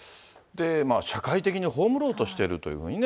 社会的に葬ろうとしているというふうにね。